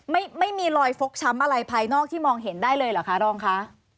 ไม่มีรอยฟกช้ำอะไรภายนอกที่มองเห็นได้เลยเหรอคะรองคะ